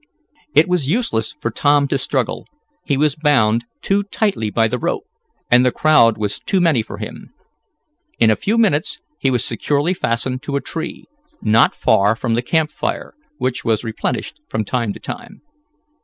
It was useless for Tom to struggle. He was bound too tightly by the rope, and the crowd was too many for him. In a few minutes he was securely fastened to a tree, not far from the camp fire, which was replenished from time to time.